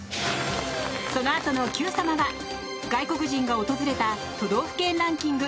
そのあとの「Ｑさま！！」は外国人が訪れた都道府県ランキング